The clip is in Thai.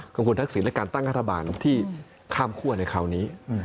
ของคุณทักษิณและการตั้งรัฐบาลที่ข้ามคั่วในคราวนี้